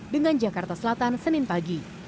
dengan jakarta selatan senin pagi